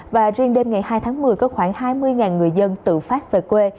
và riêng đêm ngày hai tháng một mươi có khoảng hai mươi người dân tự phát về quê